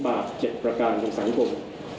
บาปเจ็ดประการของสังคม